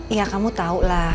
iya kamu tahu lah